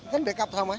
kan backup sama ya